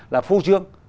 là phô trương